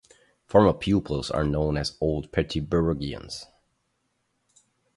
Former pupils are known as "Old Petriburgians".